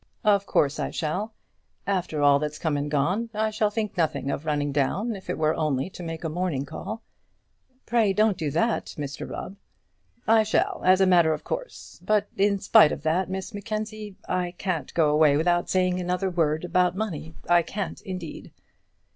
"Of course I shall. After all that's come and gone, I shall think nothing of running down, if it were only to make a morning call." "Pray don't do that, Mr Rubb." "I shall, as a matter of course. But in spite of that, Miss Mackenzie, I can't go away without saying another word about the money. I can't indeed."